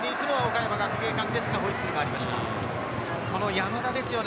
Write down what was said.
山田ですね。